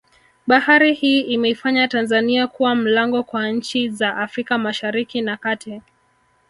Bahari hii imeifanya Tanzania kuwa mlango kwa nchi za Afrika mashariki na kati